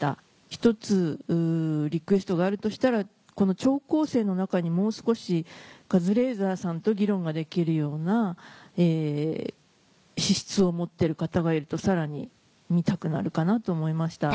１つリクエストがあるとしたら聴講生の中にもう少しカズレーザーさんと議論ができるような資質を持ってる方がいるとさらに見たくなるかなと思いました。